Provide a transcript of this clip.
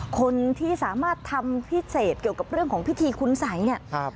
คนที่สามารถทำพิเศษเกี่ยวกับเรื่องของพิธีคุณสัยเนี่ย